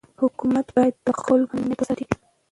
حکومت باید د خلکو امنیت وساتي.